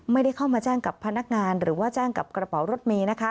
ไม่ได้เข้ามาแจ้งกับพนักงานหรือว่าแจ้งกับกระเป๋ารถเมย์นะคะ